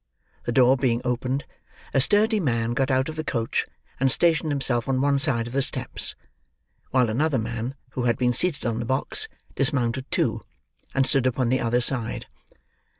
The door being opened, a sturdy man got out of the coach and stationed himself on one side of the steps, while another man, who had been seated on the box, dismounted too, and stood upon the other side.